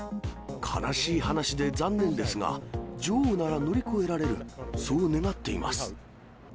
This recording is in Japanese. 悲しい話で残念ですが、女王なら乗り越えられる、そう願っています。